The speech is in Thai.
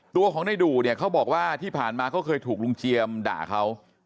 ตัวของในดู่เนี่ยเขาบอกว่าที่ผ่านมาเขาเคยถูกลุงเจียมด่าเขา